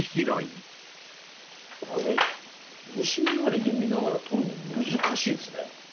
これ虫眼鏡で見ながら取るの難しいですね。